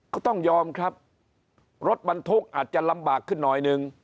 ก็ต้องยอมครับรถบรรทุกอาจจะลำบากขึ้นหน่อยหนึ่ง